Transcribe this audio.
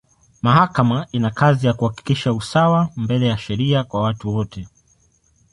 Mahakama ina kazi ya kuhakikisha usawa mbele ya sheria kwa watu wote.